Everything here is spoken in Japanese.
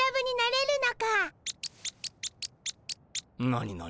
何何？